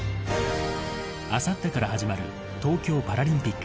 あさってから始まる東京パラリンピック。